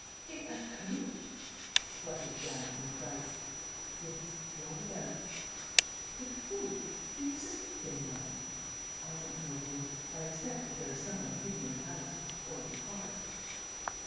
"They are coming!" spluttered Jeanne, in affright. "Yes, beyond a doubt." "But who? Do you suspect any one?" "I don't know who.... I expect that there is some one hidden in the house ... or in the park."